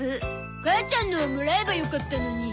母ちゃんのをもらえばよかったのに。